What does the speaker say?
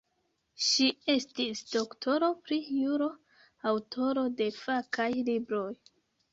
Ŝi estis doktoro pri juro, aŭtoro de fakaj libroj.